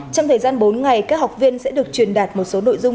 trong thời gian bốn ngày các học viên sẽ được truyền đạt một số nội dung